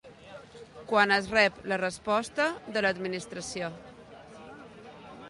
Quan es rep la resposta de l'Administració.